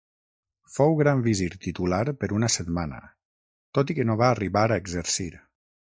Fou gran visir titular per una setmana, tot i que no va arribar a exercir.